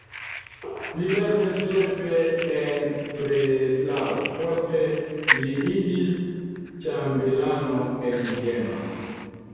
Li lernis ĉefe en Breslau, poste li iĝis ĉambelano en Vieno.